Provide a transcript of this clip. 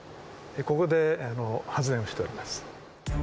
ここで発電をしております。